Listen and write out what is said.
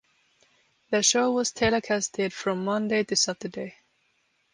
The show was telecasted from Monday to Saturday.